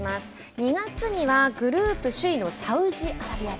２月にはグループ首位のサウジアラビアと。